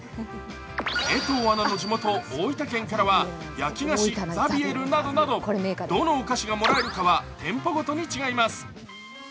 江藤アナの地元・大分県からは焼き菓子・ざびえるなどなどどのお菓子がもらえるかは店舗ごとに違います。